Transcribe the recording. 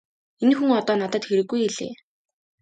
Энэ хүн одоо надад хэрэггүй -гэлээ.